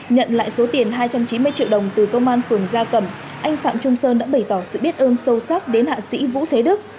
nhận lại số tiền hai trăm chín mươi triệu đồng từ công an phường gia cẩm anh phạm trung sơn đã bày tỏ sự biết ơn sâu sắc đến hạ sĩ vũ thế đức